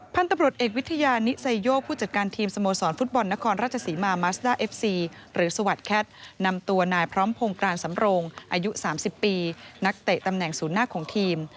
พันธุ์ตำรวจเอกวิทยานิไซโยผู้จัดการทีมสโมสรฟุตบอลนครราชศรีมามัสด้าเอฟซีหรือสวัสดิแคทนำตัวนายพร้อมพงกรานสำโรงอายุ๓๐ปีนักเตะตำแหน่งศูนย์หน้าของทีม